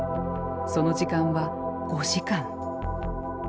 その時間は５時間。